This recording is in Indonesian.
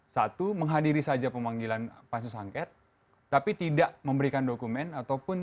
satu menghadiri saja pemanggilan pansus angket tapi tidak memberikan dokumen ataupun